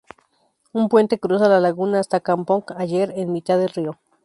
Un puente cruza la laguna hasta Kampong Ayer, en mitad del río.